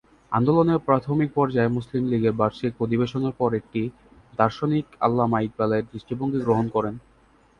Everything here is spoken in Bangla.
আন্দোলনের প্রাথমিক পর্যায়ে মুসলিম লীগের বার্ষিক অধিবেশনের পর এটি দার্শনিক আল্লামা ইকবালের দৃষ্টিভঙ্গি গ্রহণ করে।